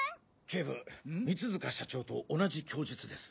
警部三塚社長と同じ供述です。